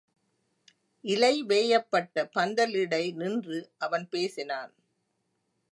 இலை வேயப்பட்ட பந்தலிடை நின்று அவன் பேசினான்.